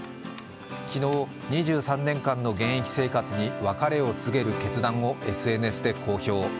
昨日、２３年間の現役生活に別れを告げる決断をＳＮＳで公表。